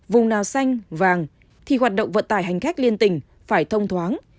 vùng nào xanh vàng thì hoạt động vận tải hành khách liên tỉnh phải thông thoáng